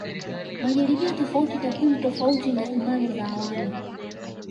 Majaribio tofauti takwimu tofauti na imani za awali